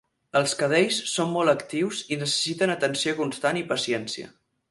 Els cadells són molt actius i necessiten atenció constant i paciència.